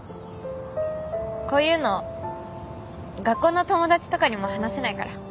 こういうの学校の友達とかにも話せないから。